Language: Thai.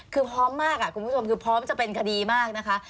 คือพร้อมมากคุณผู้ชมคือพร้อมจะเป็นคดีมากนะคะ